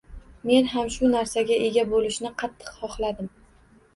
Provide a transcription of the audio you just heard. Men ham shu narsaga ega bo‘lishni qattiq xohladim.